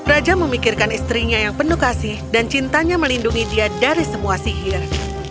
raja memikirkan istrinya yang penuh kasih dan cintanya melindungi dia dari semua sihir